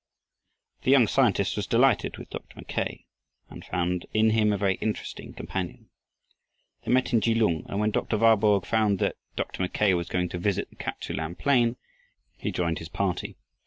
The young scientist was delighted with Dr. Mackay and found in him a very interesting companion. They met in Kelung, and when Dr. Warburg found that Dr. Mackay was going to visit the Kap tsu lan plain, he joined his party.